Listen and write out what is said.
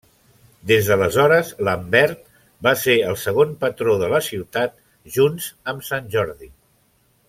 Des d'aleshores, Lambert va ser el segon patró de la ciutat, junts amb Sant Jordi.